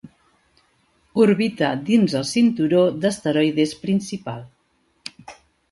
Orbita dins el cinturó d'asteroides principal.